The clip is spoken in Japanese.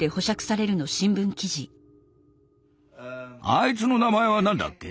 あいつの名前は何だっけ？